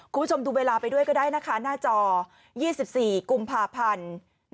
คุณผู้ชมดูเวลาไปด้วยก็ได้นะคะหน้าจอ๒๔กุมภาพันธ์